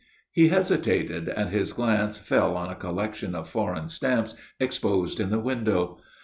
He hesitated, and his glance fell on a collection of foreign stamps exposed in the window.